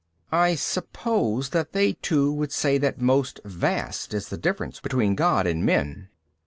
B. I suppose that they too would say that most vast is the difference between God and men.